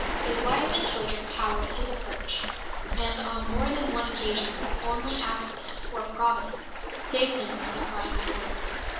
His wife and children cowered at his approach; and on more than one occasion only accident (or Providence) saved him from the crime of murder.